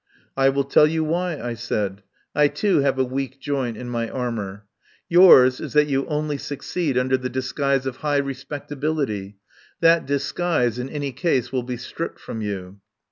"I will tell you why," I said. "I, too, have a weak joint in my armour. Yours is that you only succeed under the disguise of high re spectability. That disguise, in any case, will be stripped from you.